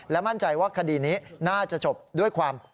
มั่นใจว่าคดีนี้น่าจะจบด้วยความ